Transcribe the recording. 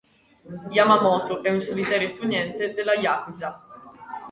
Yamamoto è un solitario esponente della yakuza.